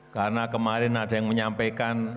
karena kemarin ada yang menyampaikan